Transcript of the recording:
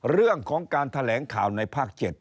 เรื่องของการแถลงข่าวในภาค๗